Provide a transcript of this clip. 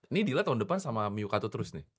ini diliat tahun depan sama miyukato terus nih